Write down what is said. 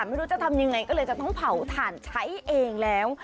ไม่รู้จะทำยังไงก็เลยจะต้องเผาถ่านใช้เองแล้ว